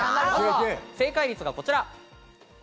正解率はこちら。